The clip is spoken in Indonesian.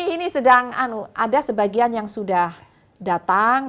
ini sedang ada sebagian yang sudah datang